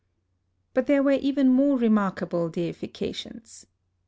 But there were even more remarkable deifications.